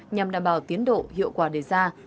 nhằm đảm bảo tiến độ hiệu quả đề ra